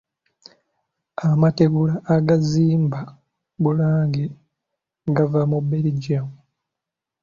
Amategula agaazimba Bulange gaava mu Belgium